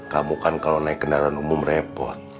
kamu kan kalau naik kendaraan umum repot